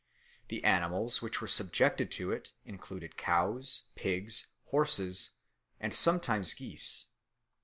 The animals which were subjected to it included cows, pigs, horses, and sometimes geese.